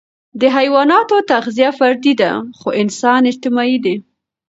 د حيواناتو تغذیه فردي ده، خو انسان اجتماعي دی.